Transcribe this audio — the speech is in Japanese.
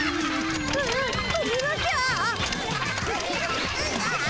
あ止めなきゃ。